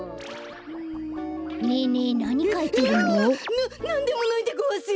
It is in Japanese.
ななんでもないでごわすよ！